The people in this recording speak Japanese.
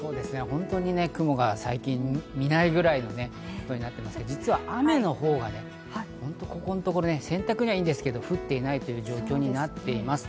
本当に最近、雲を見ないくらいになってますけど、実は雨の方がここのところ洗濯にはいいですけど、降ってない状況になっています。